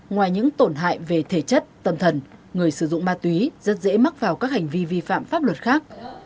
ngoài những tổn hại về thể chất tâm thần người sử dụng ma túy rất dễ mắc vào các hành vi vi phạm pháp luật khác